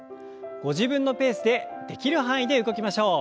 ご自分のペースでできる範囲で動きましょう。